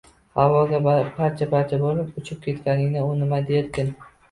Havoga parcha-parcha bo`lib uchib ketganingda, u nima derkin